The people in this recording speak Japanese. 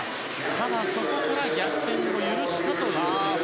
ただそこから逆転を許しました。